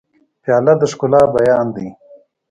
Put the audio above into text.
پیاله د ښکلا بیان دی.